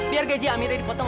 biar gaji amirah dipotong